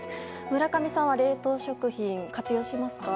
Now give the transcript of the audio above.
村上さんは冷凍食品を活用しますか？